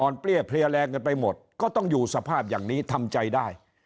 เปรี้ยเพลียแรงกันไปหมดก็ต้องอยู่สภาพอย่างนี้ทำใจได้